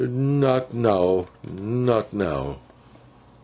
'Not now, not now.